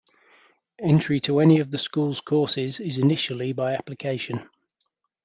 Entry to any of the school's courses is initially by application.